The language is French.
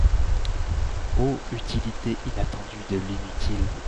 Ô utilité inattendue de l'inutile!